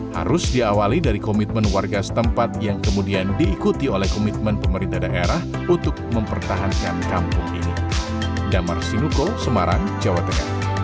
harus diawali dari komitmen warga setempat yang kemudian diikuti oleh komitmen pemerintah daerah untuk mempertahankan kampung ini